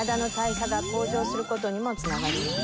することにもつながります。